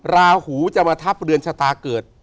ราหูจะมาทับเรือนชะตาเกิด